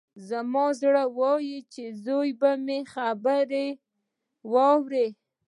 زما زړه ويل چې زوی به مې خبرې واوري.